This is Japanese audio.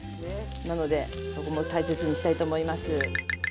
なのでそこも大切にしたいと思います。